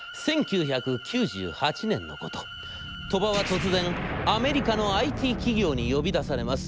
鳥羽は突然アメリカのＩＴ企業に呼び出されます。